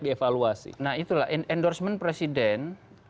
dievaluasi nah itulah endorsement presiden